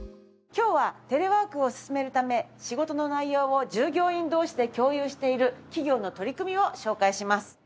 今日はテレワークを進めるため仕事の内容を従業員同士で共有している企業の取り組みを紹介します。